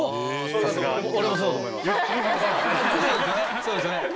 そうですよね？